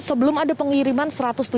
sebelum ada pengiriman satu ratus tujuh puluh